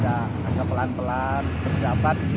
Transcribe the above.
kita akan pelan pelan bersiapkan